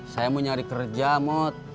saya mau nyari kerja mot